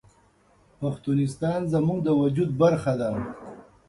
پښتونستان زموږ د وجود برخه ده